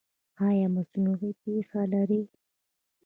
ایا مصنوعي پښه لرئ؟